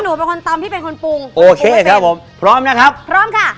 หนูเป็นคนตำที่เป็นคนปรุงโอเคครับผมพร้อมนะครับพร้อมค่ะ